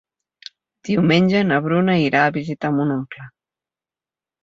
Diumenge na Bruna irà a visitar mon oncle.